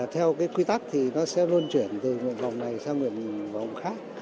theo quy tắc thì nó sẽ luôn chuyển từ một vòng này sang một vòng khác